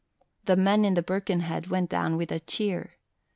The men in the Birkenhead went down with a cheer.